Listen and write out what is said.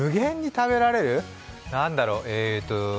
何だろう。